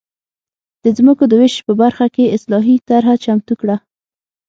د ځمکو د وېش په برخه کې اصلاحي طرحه چمتو کړه.